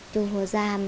chụp hồ giam